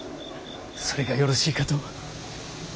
それがよろしいかと。